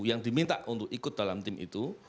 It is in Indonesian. yang diminta untuk ikut dalam tim itu